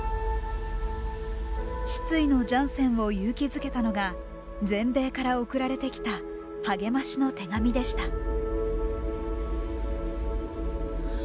失意のジャンセンを勇気づけたのが全米から送られてきた励ましの手紙でした。